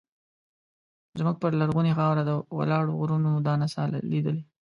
زموږ پر لرغونې خاوره ولاړو غرونو دا نڅا لیدلې.